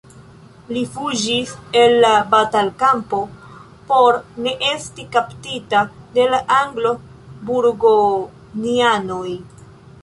Li fuĝis el la batalkampo por ne esti kaptita de la anglo-burgonjanoj.